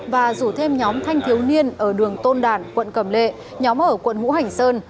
và rủ thêm nhóm thanh thiếu niên ở đường tôn đản quận cầm lệ nhóm ở quận hữu hành sơn